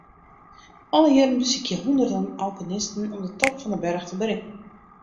Alle jierren besykje hûnderten alpinisten om de top fan 'e berch te berikken.